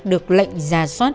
được lệnh giả soát